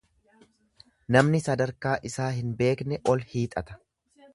Namni sadarkaa isaa hin beekne ol hiixata.